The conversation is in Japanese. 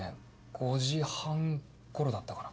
５時半頃だったかな。